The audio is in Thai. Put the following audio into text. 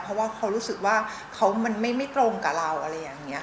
เพราะว่าเขารู้สึกว่ามันไม่ตรงกับเราอะไรอย่างนี้